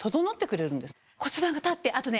骨盤が立ってあとね。